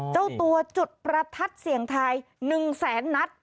เจ้าตัวจุดประทัดเสียงไทย๑๐๐๐๐๐นัท